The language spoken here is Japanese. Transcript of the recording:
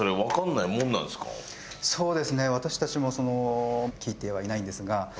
そうですね私たちも聞いてはいないんですが。